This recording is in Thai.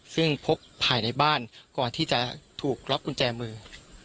ซึ่งพกภายในบ้านก่อนที่จะถูกล็อกกุญแจมือ